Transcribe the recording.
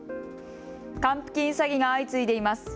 還付金詐欺が相次いでいます。